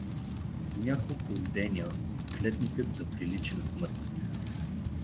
В няколко деня клетникът заприлича на смъртник.